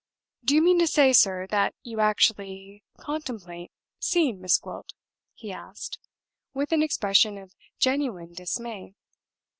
"Do you mean to say, sir, that you actually contemplate seeing Miss Gwilt?" he asked, with an expression of genuine dismay.